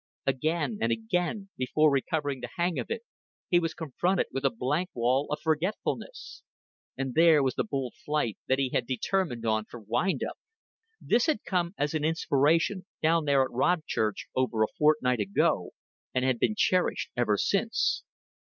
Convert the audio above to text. Again and again, before recovering the hang of it, he was confronted with a blank wall of forgetfulness. And there was the bold flight that he had determined on for wind up. This had come as an inspiration, down there at Rodchurch over a fortnight ago, and had been cherished ever since.